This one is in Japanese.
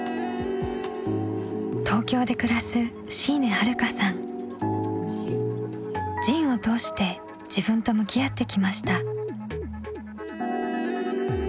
東京で暮らす「ＺＩＮＥ」を通して自分と向き合ってきました。